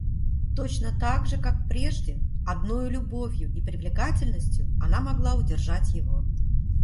Точно так же как прежде, одною любовью и привлекательностью она могла удержать его.